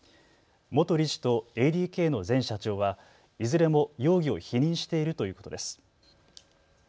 元理事とＡＤＫの前社長はいずれも容疑を否認しているということです。